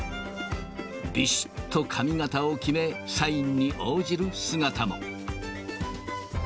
びしっと髪形を決め、サインに応じる姿も。